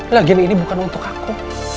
lagian ini bukan untuk aku